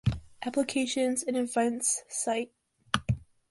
Applications and events site.